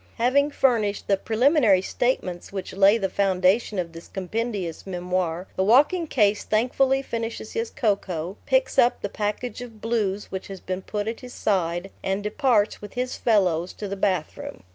Having furnished the preliminary statements which lay the foundation of this compendious memoir, the walking case thankfully finishes his cocoa, picks up the package of "blues" which has been put at his side, and departs, with his fellows, to the bathroom.